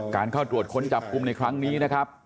เข้าตรวจค้นจับกลุ่มในครั้งนี้นะครับ